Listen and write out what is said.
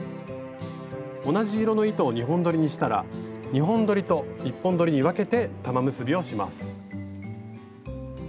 同じ色の糸を２本どりにしたら２本どりと１本どりに分けて玉結びをします。